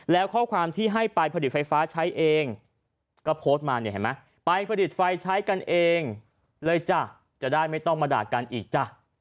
เลยจ้ะจะได้ไม่ต้องมาด่ากันอีกจ้ะ